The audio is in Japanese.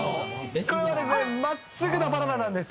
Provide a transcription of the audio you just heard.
まっすぐなバナナなんです。